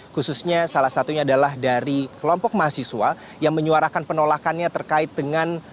khususnya salah satunya adalah dari kelompok mahasiswa yang menyuarakan penolakannya terkait dengan